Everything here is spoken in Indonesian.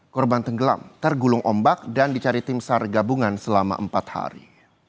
korban tenggelam tergulung ombak dan dicari tim sar gabungan selama empat hari